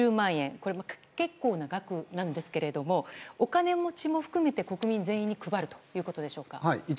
これは結構な額ですがお金持ちも含めて国民全員に配るということでしょうか？